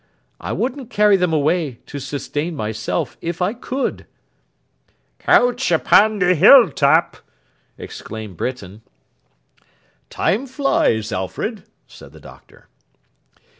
I wouldn't carry them away, to sustain myself, if I could!' 'Coach upon the hill top!' exclaimed Britain. 'Time flies, Alfred,' said the Doctor.